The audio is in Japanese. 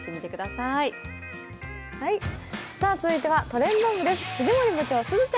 さあ続いては「トレンド部」です。